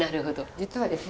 実はですね